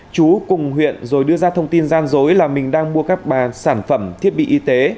chú cùng huyện rồi đưa ra thông tin gian dối là mình đang mua các bà sản phẩm thiết bị y tế